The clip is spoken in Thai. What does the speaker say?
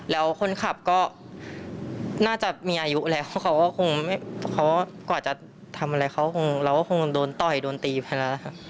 แล้วคนขับก็น่าจะมีอายุแล้วกว่าจะทำอะไรเขาเราก็คงโดนต่อยโดนตีไปแล้ว